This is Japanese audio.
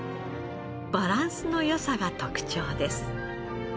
バランスの良さが特長です。